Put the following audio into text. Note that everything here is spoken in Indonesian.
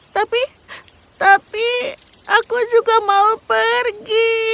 tapi tapi aku juga mau pergi